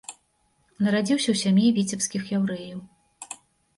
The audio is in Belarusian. Нарадзіўся ў сям'і віцебскіх яўрэяў.